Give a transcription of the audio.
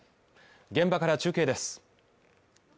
現場から中継です